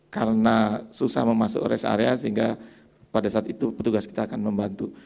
karena susah memasukkan rest area sehingga pada saat itu petugas kita akan membantu